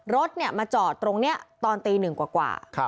รถมาจอดตรงนี้ตอนตีหนึ่งกว่า